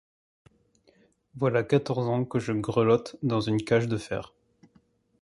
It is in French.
Voilà quatorze ans que je grelotte dans une cage de fer.